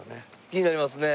気になりますね。